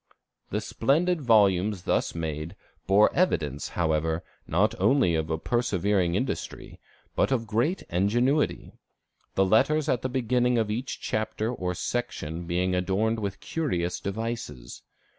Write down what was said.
"The splendid volumes thus made, bore evidence, however, not only of persevering industry, but of great ingenuity; the letters at the beginning of each chapter or section being adorned with curious devices.